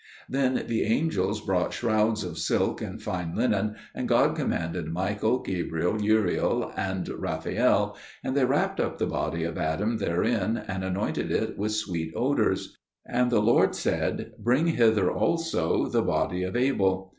Then the angels brought shrouds of silk and fine linen, and God commanded Michael, Gabriel, Uriel, and Raphael, and they wrapped up the body of Adam therein, and anointed it with sweet odours. And the Lord said, "Bring hither also the body of Abel."